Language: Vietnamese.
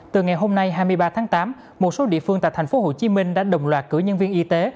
từ ngày hôm nay hai mươi ba tháng tám một số địa phương tại tp hcm đã đồng loạt cử nhân viên y tế